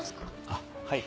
あっはい。